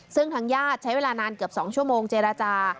ซึ่งทางญาติใช้เวลานานเกือบ๒ชั่วโมงเจรจา